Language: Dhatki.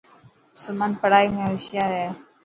سمن پڙهائي ۾ هوشيار هي.